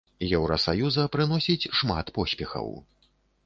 Еўрасаюза прыносіць шмат поспехаў.